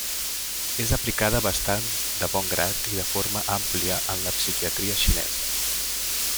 És aplicada bastant de bon grat i de forma àmplia en la psiquiatria xinesa.